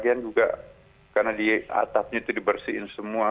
kemudian juga karena di atapnya itu dibersihin semua